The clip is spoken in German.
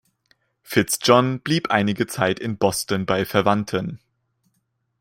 Fitz-John blieb einige Zeit in Boston bei Verwandten.